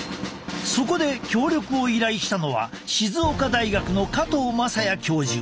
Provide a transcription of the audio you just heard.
そこで協力を依頼したのは静岡大学の加藤雅也教授。